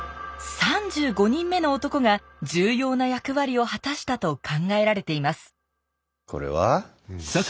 ３５人目の男が重要な役割を果たしたと考えられていますこれは？